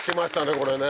これね